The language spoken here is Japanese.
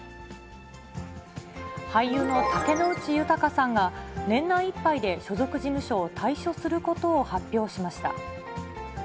俳優の竹野内豊さんが、年内いっぱいで所属事務所を退所することを発表しました。